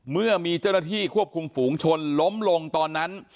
เมื่อมีเจ้าหน้าที่ควบคุมฝูงชนล้มลงตอนนั้น